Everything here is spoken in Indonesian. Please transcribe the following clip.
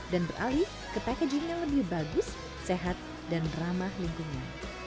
dan beralih ke packaging yang lebih bagus sehat dan ramah lingkungannya